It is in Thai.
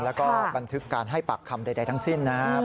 แล้วก็บันทึกการให้ปากคำใดทั้งสิ้นนะครับ